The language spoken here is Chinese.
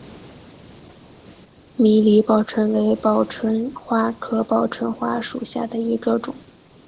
迷离报春为报春花科报春花属下的一个种。